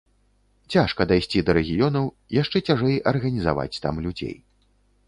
Цяжка дайсці да рэгіёнаў, яшчэ цяжэй арганізаваць там людзей.